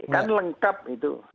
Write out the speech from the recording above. kan lengkap itu